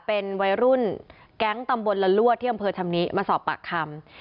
เป็นวัยรุ่นแก๊งตำบลละลวดที่อำเภอชำนิมาสอบปากคำ